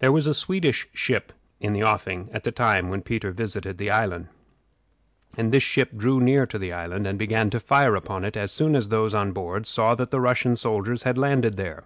There was a Swedish ship in the offing at the time when Peter visited the island, and this ship drew near to the island and began to fire upon it as soon as those on board saw that the Russian soldiers had landed there.